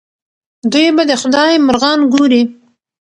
دوی به د خدای مرغان ګوري.